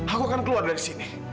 aku akan keluar dari sini